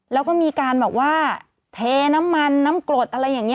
แล้วก็มีการแบบว่าเทน้ำมันน้ำกรดอะไรอย่างนี้